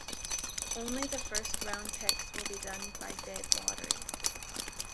Only the first round picks will be done by bid lottery.